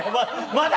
まだ！？